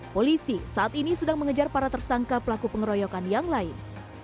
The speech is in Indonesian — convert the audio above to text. polisi saat ini sedang mengejar para tersangka pelaku pengeroyokan yang lain